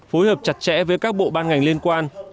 phối hợp chặt chẽ với các bộ ban ngành liên quan